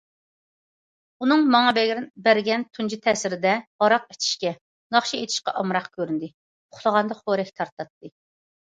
ئۇنىڭ ماڭا بەرگەن تۇنجى تەسىرىدە ھاراق ئىچىشكە، ناخشا ئېيتىشقا ئامراق كۆرۈندى، ئۇخلىغاندا خورەك تارتاتتى.